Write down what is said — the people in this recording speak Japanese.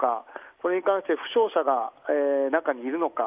それに関して負傷者が中にいるのか。